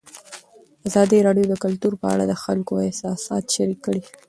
ازادي راډیو د کلتور په اړه د خلکو احساسات شریک کړي.